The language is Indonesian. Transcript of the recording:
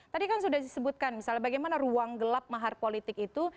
tadi kan sudah disebutkan misalnya bagaimana ruang gelap mahar politik itu